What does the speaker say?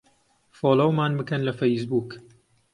فۆلۆومان بکەن لە فەیسبووک.